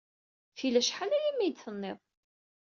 Tili acḥal-aya mi yi-d-tenniḍ.